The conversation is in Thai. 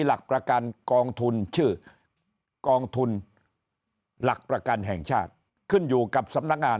หลักประกันกองทุนชื่อกองทุนหลักประกันแห่งชาติขึ้นอยู่กับสำนักงาน